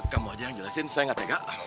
kamu aja yang jelasin saya gak tega